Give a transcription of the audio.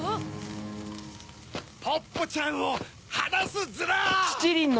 ポッポちゃんをはなすヅラ！